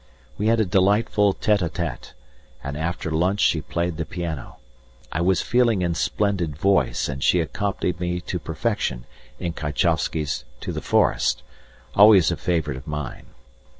We had a delightful tête à tête, and after lunch she played the piano. I was feeling in splendid voice and she accompanied me to perfection in Tchaikowsky's "To the Forest," always a favourite of mine.